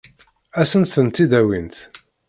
Ad sent-tent-id-awint?